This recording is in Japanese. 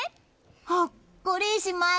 ほっこりします。